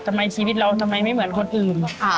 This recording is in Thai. ทำไมชีวิตเราทำไมไม่เหมือนคนอื่น